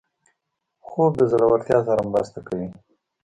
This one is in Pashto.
خوب د زړورتیا سره مرسته کوي